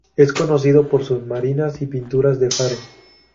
Es conocido por sus marinas y pinturas de faros.